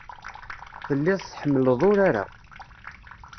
Telliḍ tḥemmleḍ urar-a.